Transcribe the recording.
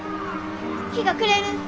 日が暮れる。